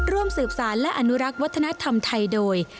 ร่วมสืบสารและอนุรักษ์วัฒนธรรมไทยโดย